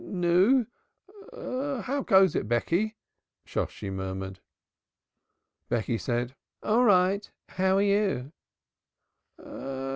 "Nu, how goes it, Becky?" Shosshi murmured. Becky said, "All right, how are you?"